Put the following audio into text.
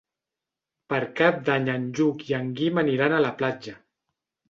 Per Cap d'Any en Lluc i en Guim aniran a la platja.